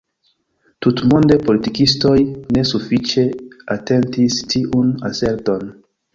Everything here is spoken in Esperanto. Tutmonde politikistoj ne sufiĉe atentis tiun aserton.